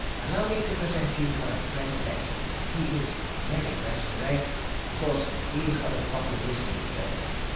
Allow me to present you to my friend Best. ... He is Very Best to day, because he has got a bottle of whisky in his bed.